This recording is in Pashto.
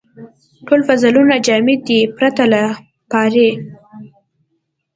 ټول فلزونه جامد دي پرته له پارې.